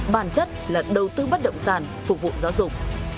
bản chất là đầu tư bất động sản phục vụ giáo dục